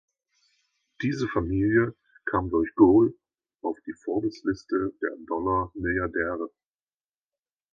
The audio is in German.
Diese Familie kam durch Gol auf die Forbes-Liste der Dollar-Milliardäre.